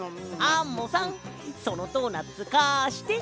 アンモさんそのドーナツかして。